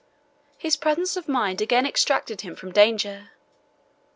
His presence of mind again extricated him from danger.